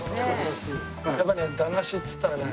やっぱね駄菓子っつったらね。